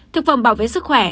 thực phẩm bảo vệ sức khỏe